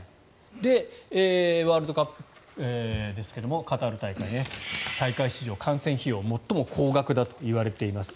ワールドカップですがカタール大会大会史上、観戦費用が最も高額だと言われています。